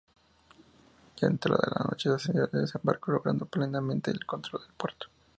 Ya entrada la noche, sucedió el desembarco, logrando plenamente el control del puerto.